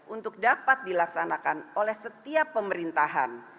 untuk dapat dilaksanakan oleh setiap pemerintahan